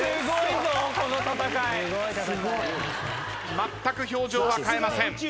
まったく表情は変えません。